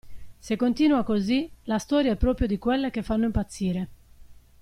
Se continua così, la storia è proprio di quelle che fanno impazzire!